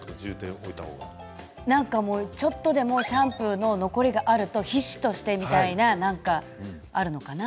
なんかちょっとでもシャンプーの残りがあると皮脂としてみたいななんかあるのかな？